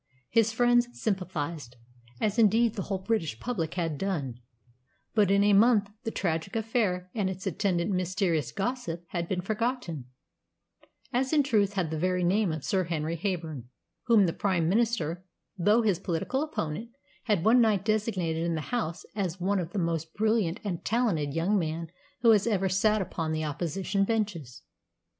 His friends sympathised, as indeed the whole British public had done; but in a month the tragic affair and its attendant mysterious gossip had been forgotten, as in truth had the very name of Sir Henry Heyburn, whom the Prime Minister, though his political opponent, had one night designated in the House as "one of the most brilliant and talented young men who has ever sat upon the Opposition benches."